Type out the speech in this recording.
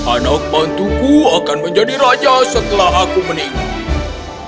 anak bantuku akan menjadi raja setelah aku meninggal